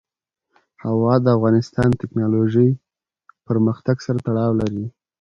هوا د افغانستان د تکنالوژۍ پرمختګ سره تړاو لري.